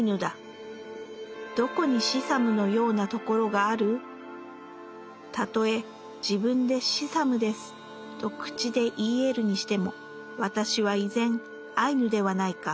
何処にシサムのやうなところがある⁉たとへ自分でシサムですと口で言ひ得るにしても私は依然アイヌではないか」。